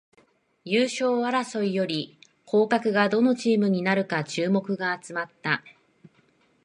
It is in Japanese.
優勝争いより降格がどのチームになるかに注目が集まった